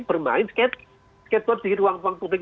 bermain skateboard di ruang ruang publik